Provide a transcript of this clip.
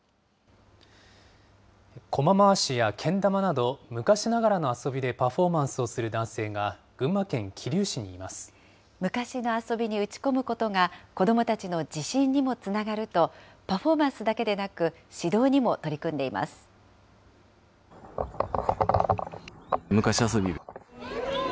コマ回しやけん玉など、昔ながらの遊びでパフォーマンスをする男性が群馬県桐生市にいま昔の遊びに打ち込むことが、子どもたちの自信にもつながると、パフォーマンスだけでなく、昔遊び。